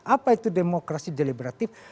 apa itu demokrasi deliberatif